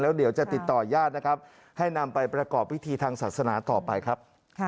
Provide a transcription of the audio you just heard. เดี๋ยวจะติดต่อญาตินะครับให้นำไปประกอบพิธีทางศาสนาต่อไปครับ